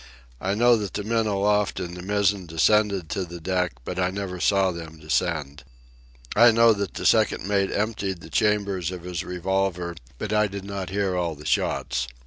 I know that the men aloft in the mizzen descended to the deck, but I never saw them descend. I know that the second mate emptied the chambers of his revolver, but I did not hear all the shots.